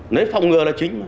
nếu phòng ngừa là chính